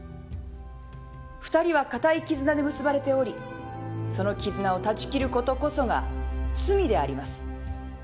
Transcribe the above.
二人は固い絆で結ばれておりその絆を断ち切ることこそが罪であります。